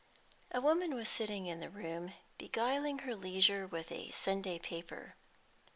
A woman was sitting in the room, beguiling her leisure with a Sunday paper.